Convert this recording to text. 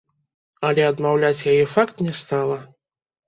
Але адмаўляць яе факт не стала.